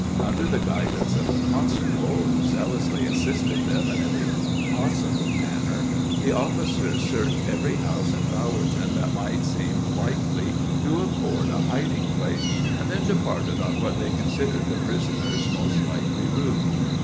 Under the guidance of the constable, who zealously assisted them in every possible manner, the officers searched every house in Bowerton that might seem likely to afford a hiding place, and then departed on what they considered the prisoner's most likely route.